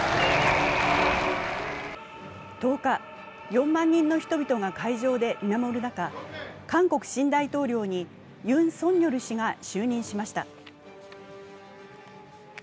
１０日、４万人の人々が会場で見守る中、韓国新大統領にユン・ソンニョル氏が就任しました。